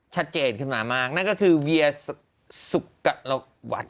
ชัดเจนขึ้นมามากนั่นก็คือเวียสุกะละวัด